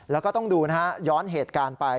แล้วก็ต้องดูนะฮะย้อนเหตุการณ์ไป